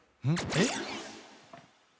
えっ？